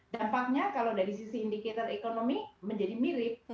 dampaknya kalau dari sisi indicator ekonomi menjadi mirip